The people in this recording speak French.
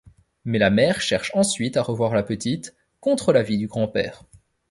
Mais la mère cherche ensuite à revoir la petite, contre l'avis du grand-père.